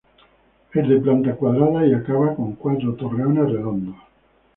Es de planta cuadrada y acaba con cuatro torreones redondos.